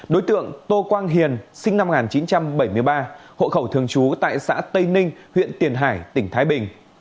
đối tượng tô quang hiền sinh năm một nghìn chín trăm bảy mươi ba hộ khẩu thường trú tại xã tây ninh huyện tiền hải tỉnh thái bình